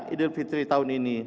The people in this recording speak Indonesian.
idil fitri tahun ini